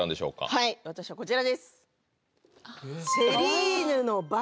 はい私はこちらです